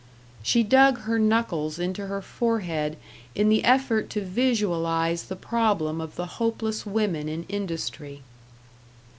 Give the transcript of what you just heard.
She dug her knuckles into her forehead in the effort to visualize the problem of the hopeless women in industry.